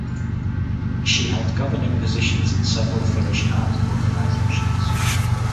She held governing positions in several Finnish art organizations.